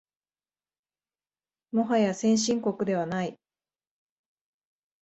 もはや先進国ではない